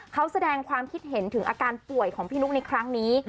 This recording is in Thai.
เขาแสดงความคิดเห็นถึงอาการป่วยของพี่นุ๊กในครั้งนี้